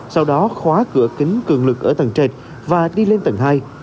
sau đó khóa cửa kính cường lực ở tầng trệt và đi lên tầng hai